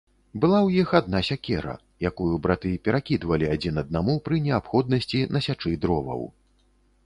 Была ў іх адна сякера, якую браты перакідвалі адзін аднаму пры неабходнасці насячы дроваў.